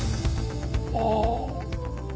ああ。